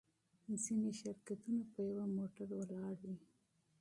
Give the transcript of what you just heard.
ځینې شرکتونه په یوه موټر ولاړ وي.